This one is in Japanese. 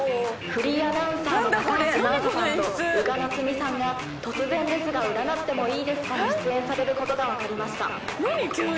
フリーアナウンサーの高橋真麻さんと宇賀なつみさんが『突然ですが占ってもいいですか？』に出演されることが分かりました。